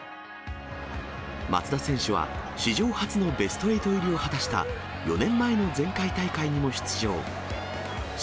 松田選手は、史上初のベスト８入りを果たした４年前の前回大会にも出場。